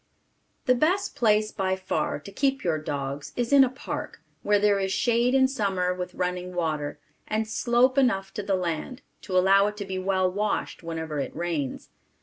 The best place by far, to keep your dogs, is in a park, where there is shade in summer, with running water, and slope enough to the land, to allow it to be well washed whenever it rains.